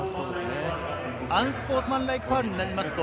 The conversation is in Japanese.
アンスポーツマンライクファウルですね。